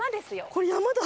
これ山だ。